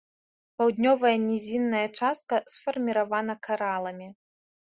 Паўднёвая нізінная частка сфарміравана караламі.